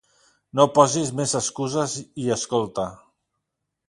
No posis més excuses i escolta.